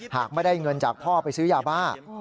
หากไม่ได้เงินจากพ่อไปซื้อยาบ้า